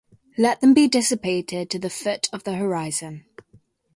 Let them be dissipated to the foot of the horizon.